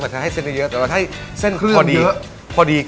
แต่ให้เส้นพอดี